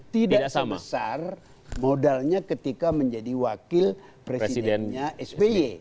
tidak sebesar modalnya ketika menjadi wakil presidennya sby